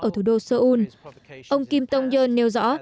ở thủ đô seoul ông kim tong yeol nêu rõ